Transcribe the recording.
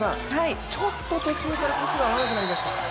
ちょっと途中からトスが合わなくなりました。